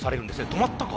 止まったか？